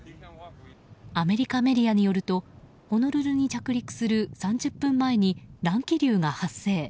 アメリカメディアによるとホノルルに着陸する３０分前に乱気流が発生。